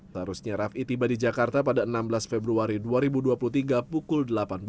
seharusnya raffi tiba di jakarta pada enam belas februari dua ribu dua puluh tiga pukul delapan belas